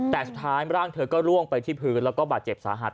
แต่สุดท้ายร่างเธอก็ล่วงไปที่พื้นแล้วก็บาดเจ็บสาหัส